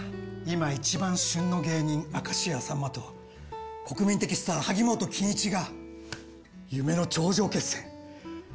今一番旬の芸人明石家さんまと国民的スター萩本欽一が夢の頂上決戦！